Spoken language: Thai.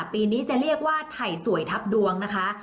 ปีนี้จะเรียกว่าไถ่สวยทับดวงนะคะ